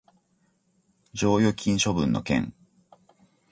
剰余金処分の件